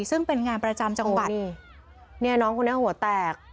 ซึ่งเป็นงานประจำจังหวัดเนี่ยน้องคนนี้หัวแตก